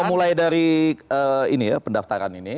mulai dari pendaftaran ini